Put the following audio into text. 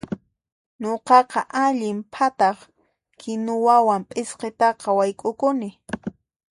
Nuqaqa allin phataq kinuwawan p'isqita wayk'ukuni.